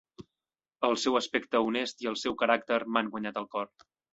El seu aspecte honest i el seu caràcter m'han guanyat el cor.